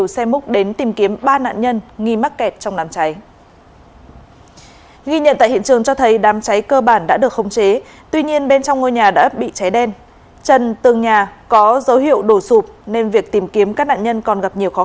xin chào và hẹn gặp lại trong các video tiếp theo